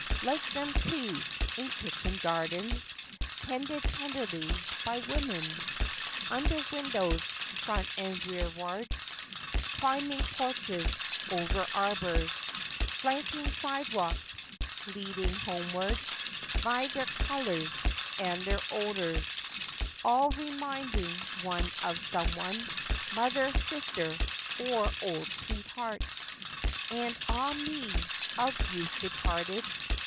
Like them, too, in kitchen gardens, Tended tenderly by women; Under windows—front and rearward; Climbing porches; over arbors; Flanking sidewalks, leading homeward— By their colors and their odors All reminding one of some one— Mother, sister, or old sweetheart, And, ah, me! of youth departed!